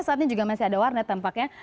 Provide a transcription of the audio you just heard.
saat ini juga masih ada warnet tampaknya